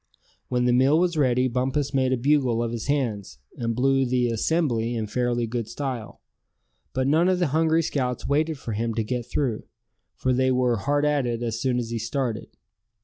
When the meal was ready Bumpus made a bugle of his hands, and blew the "assembly" in fairly good style. But none of the hungry scouts waited for him to get through; for they were hard at it as soon as he started.